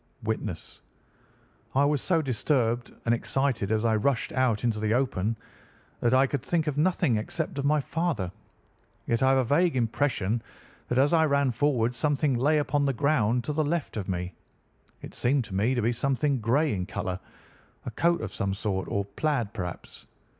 "Witness: I was so disturbed and excited as I rushed out into the open, that I could think of nothing except of my father. Yet I have a vague impression that as I ran forward something lay upon the ground to the left of me. It seemed to me to be something grey in colour, a coat of some sort, or a plaid perhaps.